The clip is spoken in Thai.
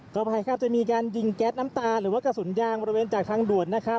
อภัยครับจะมีการยิงแก๊สน้ำตาหรือว่ากระสุนยางบริเวณจากทางด่วนนะครับ